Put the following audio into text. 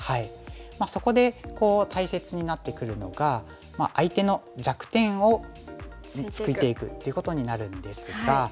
そこで大切になってくるのが相手の弱点をついていくっていうことになるんですが。